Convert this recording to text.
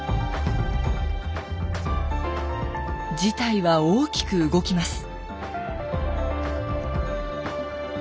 事態は大きく動きます。